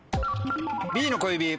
Ｂの小指。